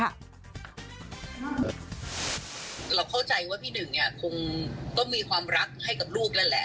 เราเข้าใจว่าพี่หนึ่งเนี่ยคงต้องมีความรักให้กับลูกนั่นแหละ